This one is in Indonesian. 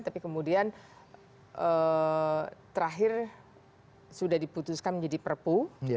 tapi kemudian terakhir sudah diputuskan menjadi perpu